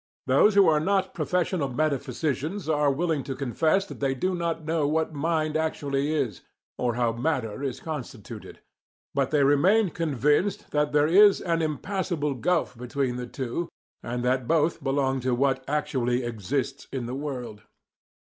Those who are not professional metaphysicians are willing to confess that they do not know what mind actually is, or how matter is constituted; but they remain convinced that there is an impassable gulf between the two, and that both belong to what actually exists in the world.